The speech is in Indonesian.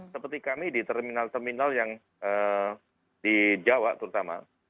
seperti kami di terminal terminal yang di jawa terutama